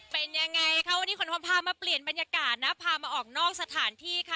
เป็นยังไงคะวันนี้ขนของพามาเปลี่ยนบรรยากาศนะพามาออกนอกสถานที่ค่ะ